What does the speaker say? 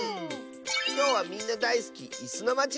きょうはみんなだいすき「いすのまち」